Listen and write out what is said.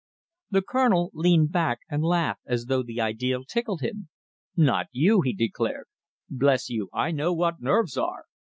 The Colonel leaned back and laughed as though the idea tickled him. "Not you!" he declared. "Bless you, I know what nerves are!